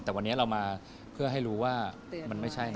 แต่วันนี้เรามาเพื่อให้รู้ว่ามันไม่ใช่นะ